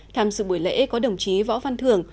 tham dự buổi lễ có đồng chí võ văn thường